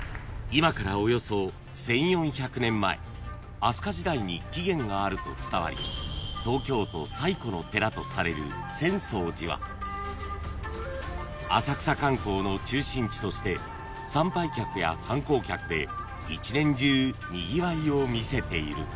［今からおよそ１，４００年前飛鳥時代に起源があると伝わり東京都最古の寺とされる浅草寺は浅草観光の中心地として参拝客や観光客で一年中にぎわいを見せている］